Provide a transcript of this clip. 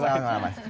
selamat malam mas